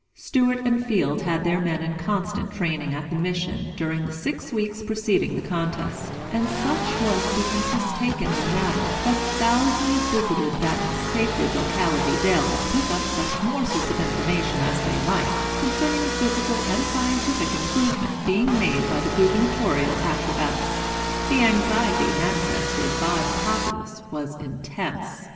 Stewart and Field had their men in constant training at the Mission during the six weeks preceding the contest, and such was the interest taken in the matter that thousands visited that sacred locality daily to pick up such morsels of information as they might, concerning the physical and scientific improvement being made by the gubernatorial acrobats. The anxiety manifested by the populace was intense.